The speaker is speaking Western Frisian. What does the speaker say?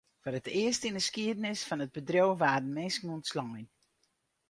Foar it earst yn 'e skiednis fan it bedriuw waarden minsken ûntslein.